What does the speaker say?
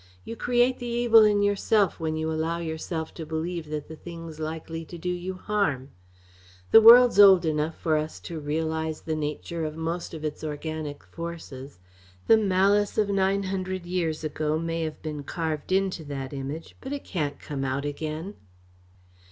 You create the evil in yourself when you allow yourself to believe that the thing's likely to do you harm. The world's old enough for us to realise the nature of most of its organic forces. The malice of nine hundred years ago may have been carved into that Image, but it can't come out again."